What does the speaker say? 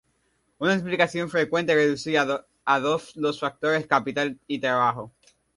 Una simplificación frecuente es reducir a dos los factores: capital y trabajo.